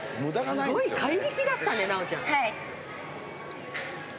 すごい怪力だったねナオちゃん。